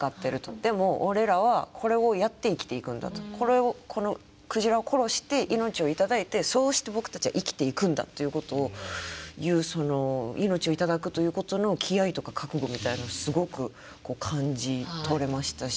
でも俺らはこれをやって生きていくんだとこれをこの鯨を殺して命を頂いてそうして僕たちは生きていくんだということを言うその命を頂くということの気合いとか覚悟みたいなのをすごくこう感じ取れましたし。